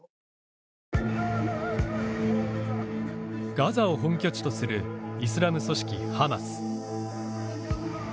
ガザを本拠地とするイスラム組織ハマス。